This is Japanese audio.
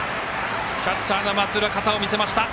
キャッチャーの松浦いい肩を見せました。